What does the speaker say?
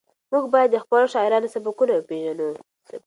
موږ باید د خپلو شاعرانو سبکونه وپېژنو.